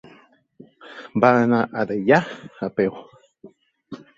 Va anar a Deià a peu.